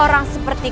orang seperti kau